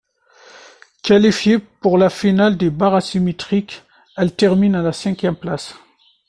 Qualifiée pour la finale des barres asymétriques, elle termine à la cinquième place.